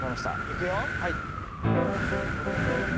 いくよ。